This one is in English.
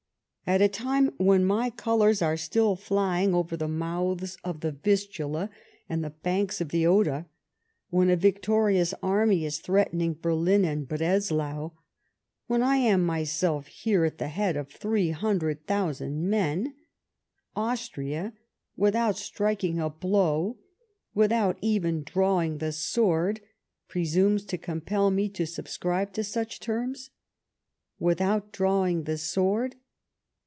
At a time when my colours are still flying over the mouths of the Vistula and the hanks of the Oder, when a victorious army is threatening Berlin and Breslau, when I am myself hero at the head of 300,000 men, Austria, without striking a blow, without even drawing the sword, presumes to comi)el me to subscribe to such terms ! Without drawing the sword